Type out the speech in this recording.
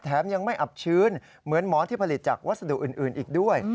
ยังไม่อับชื้นเหมือนหมอนที่ผลิตจากวัสดุอื่นอีกด้วย